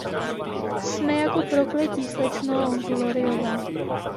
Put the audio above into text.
Jsme jako prokletí, slečno Gloryová.